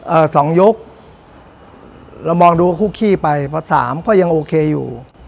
เอ่อสองยกเรามองดูคู่ขี้ไปพอสามเขายังโอเคอยู่